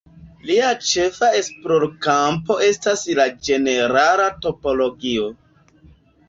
Lia ĉefa esplorkampo estas la ĝenerala topologio.